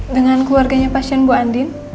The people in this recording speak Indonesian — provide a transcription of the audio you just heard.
dengan keluarganya pasien bu andin